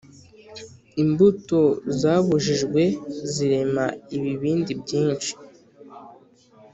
imbuto zabujijwe zirema ibibindi byinshi